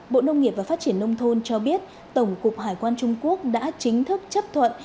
bộ nông nghiệp và phát triển nông thôn cho biết tổng cục hải quan trung quốc đã chính thức chấp thuận